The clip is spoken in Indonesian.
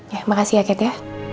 ya makasih ya kete ya